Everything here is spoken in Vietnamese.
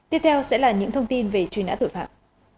tiếp theo sẽ là những thông tin về truy nã tội phạm